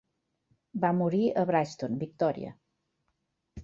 Va morir a Brighton, Victòria.